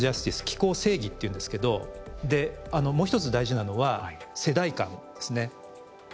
「気候正義」っていうんですけどもう一つ大事なのは世代間ですね。